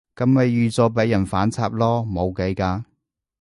噉咪預咗畀人反插囉，冇計㗎